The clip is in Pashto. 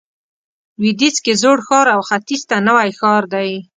لویدیځ کې زوړ ښار او ختیځ ته نوی ښار دی.